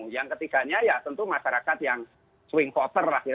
yang ketiganya ya tentu masyarakat yang swing foster lah